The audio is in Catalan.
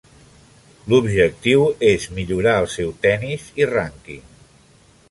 L'objectiu és millorar el seu tennis i rànquing.